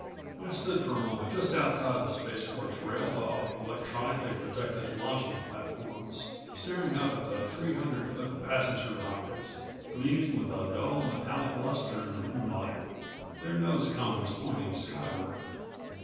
I stood for a moment just outside the spaceport's railed off, electronically protected launching platforms, staring up at the three hundred foot passenger rockets gleaming with a dull metallic luster in the moonlight, their nose cones pointing skyward.